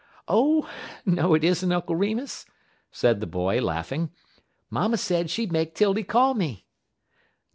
"Oh, no, it is n't, Uncle Remus," said the child, laughing. "Mamma said she'd make 'Tildy call me."